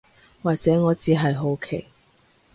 或者我只係好奇